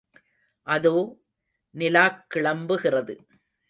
அதோ, நிலாக் கிளம்புகிறது.